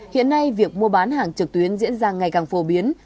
hiện nay việc mua bán hàng trực tuyến diễn ra ngày càng phổ biến